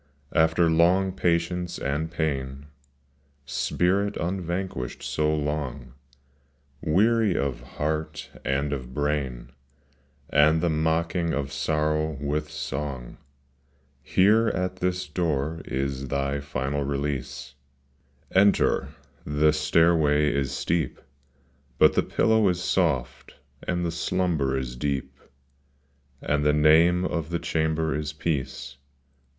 After long patience and pain, Spirit unvanquished so long, Weary of heart, and of brain And the mocking of sorrow with song, — Here, at this door is thy final release :— Enter, the stairway is steep But the pillow is soft, and the slumber is deep, And the name of the chamber is peace.